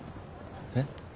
えっ？